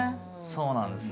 そうなんです。